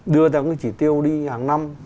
đưa theo cái chỉ tiêu đi hàng năm